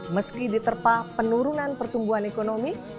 meski diterpah penurunan pertumbuhan ekonomi